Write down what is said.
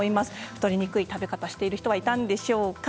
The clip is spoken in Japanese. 太りにくい食べ方をしている人はいたんでしょうか。